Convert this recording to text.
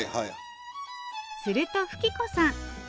すると富貴子さん